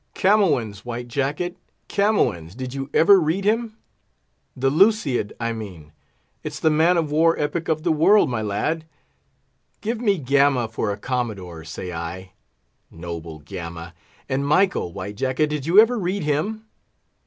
Camoens! White Jacket, Camoens! Did you ever read him? The Lusiad, I mean? It's the man of war epic of the world, my lad. Give me Gama for a Commodore, say I—Noble Gama! And Mickle, White Jacket, did you ever read of him?